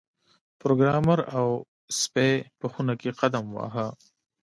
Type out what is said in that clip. پروګرامر او سپی په خونه کې قدم واهه